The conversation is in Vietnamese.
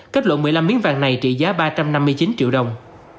kết lộ một mươi năm miếng vàng này trị giá ba trăm năm mươi chín triệu đồng